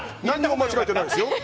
何も間違えてないですよ。